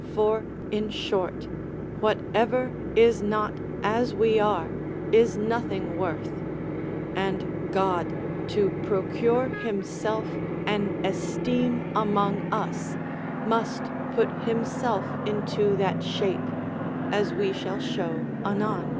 For, in short, whatever is not as we are is nothing worth; and God, to procure himself an esteem among us, must put himself into that shape, as we shall show anon.